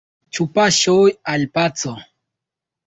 Ĉu paŝoj al paco?